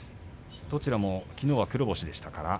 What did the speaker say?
どちらもきのうは黒星でした。